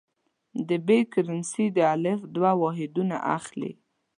د ب کرنسي د الف دوه واحدونه اخلي.